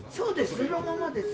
そのままです。